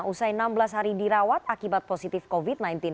usai enam belas hari dirawat akibat positif covid sembilan belas